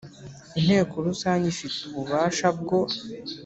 Inteko rusange ifite ububasha bwo